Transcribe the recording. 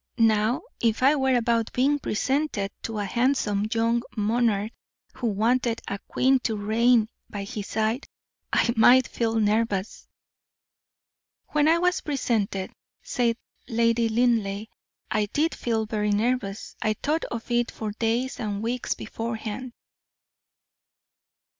"Now, if I were about being presented to a handsome young monarch, who wanted a queen to reign by his side, I might feel nervous." "When I was presented," said Lady Linleigh, "I did feel very nervous. I thought of it for days and weeks beforehand."